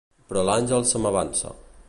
Però l'Àngels se m'avança.